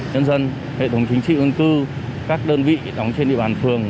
nhân dân hệ thống chính trị ngân cư các đơn vị đóng trên địa bàn phường